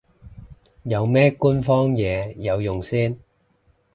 有咩官方嘢有用先